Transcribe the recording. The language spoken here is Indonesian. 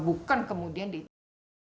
bukan kemudian ditutup